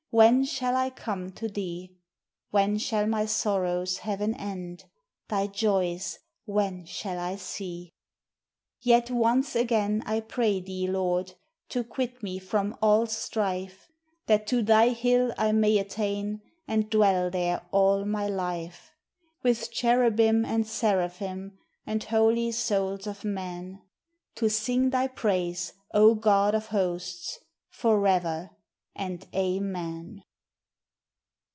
When shall I come to thee? When shall my sorrows have an end, Thy joys when shall I see? Yet once again I pray Thee, Lord, To quit me from all strife, That to Thy hill I may attain, And dwell there all my life With cherubim and seraphim And holy souls of men, To sing Thy praise, O God of hosts! Forever and amen!